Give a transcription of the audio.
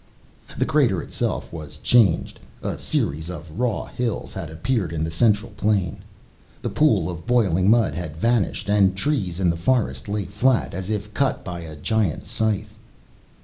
The Crater itself was changed. A series of raw hills had appeared in the central plain. The pool of boiling mud had vanished and trees in the forest lay flat, as if cut by a giant scythe.